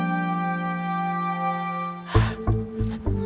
masih dapat pihak pipi seny cheering ya